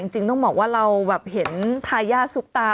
จริงต้องบอกว่าเราเห็นทายญาทาน์สุขตา